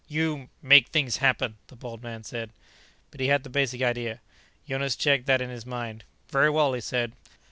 "You make things happen," the bald man said. But he had the basic idea; Jonas checked that in his mind. "Very well," he said.